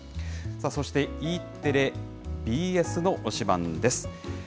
そして、Ｅテレ、ＢＳの推しバンです。